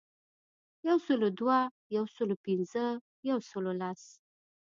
یو سلو دوه، یو سلو پنځه ،یو سلو لس .